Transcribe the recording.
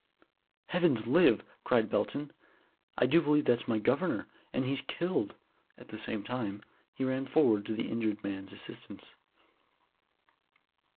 "Heavens live!" cried Belton. "I do believe that's my governor, and he's killed." At the same time he ran forward to the injured man's assistance.